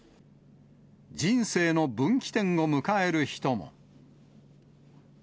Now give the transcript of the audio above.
人生の分岐点を迎える人も。